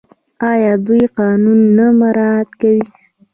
آیا دوی قانون نه مراعات کوي؟